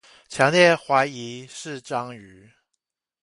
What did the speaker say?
強烈懷疑是章魚